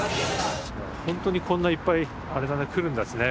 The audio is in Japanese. ほんとにこんないっぱいあれだね来るんだすね